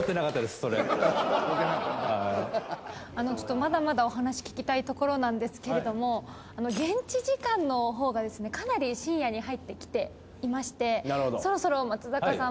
まだまだお話聞きたいところなんですけれども現地時間のほうがですねかなり深夜に入ってきていましてそろそろ皆さん